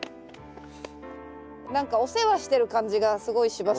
何かお世話してる感じがすごいしますね。